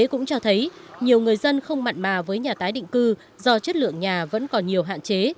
cũng cho thấy nhiều người dân không mặn mà với nhà tái định cư do chất lượng nhà vẫn còn nhiều hạn chế